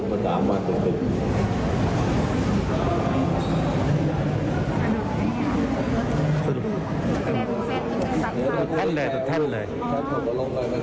เอาสาระด้วยพร้อมหรือยัง